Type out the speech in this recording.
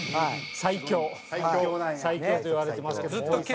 最強といわれてますけどね。